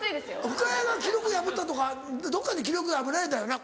深谷が記録破ったとかどっかに記録破られたよな？